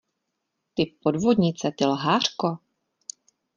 Ty podvodnice, ty lhářko!